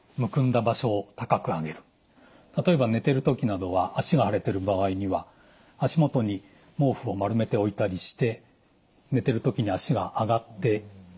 例えば寝てる時などは脚が腫れてる場合には足元に毛布を丸めて置いたりして寝てる時に脚が上がっていく。